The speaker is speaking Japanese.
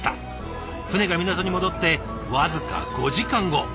船が港に戻って僅か５時間後。